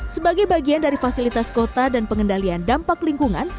sebagai bagian dari fasilitas kota dan pengendalian dampak lingkungan